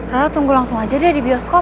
rara tunggu langsung aja deh di bioskop